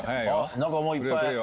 何かもういっぱい。